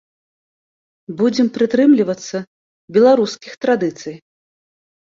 Будзем прытрымлівацца беларускіх традыцый.